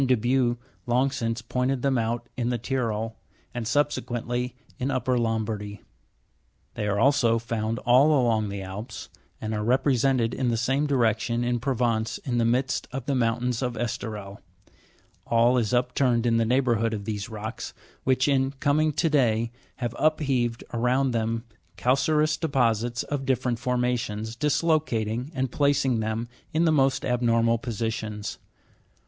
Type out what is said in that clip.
de Buch long since pointed them out in the Tyrol, and subsequently in upper Lombardy. They are also found all along the Alps, arid are repre sented in the same direction in Provence in the midst of the mountains of Esterel : all is upturned in the neighbourhood of these rocks, which, in " coming to day," have upheaved around them calcareous deposits of dif ferent formations, dislocating, and placing them in the most abnormal posi tions.